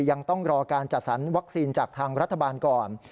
ยังต้องรอการจัดสรรวัคซีนจากทางรัฐบาลก่อน